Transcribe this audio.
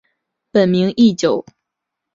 本名义久。